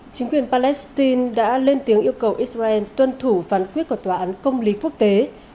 chính quyền palestine đã lên tiếng yêu cầu israel tuân thủ phán quyết của tòa án công lý quốc tế